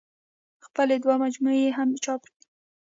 خپلې دوه مجموعې يې هم چاپ دي